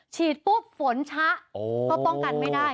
ฉีดปุ๊บฝนชะก็ป้องกันไม่ได้